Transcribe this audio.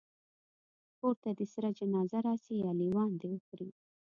کور ته دي سره جنازه راسي یا لېوان دي وخوري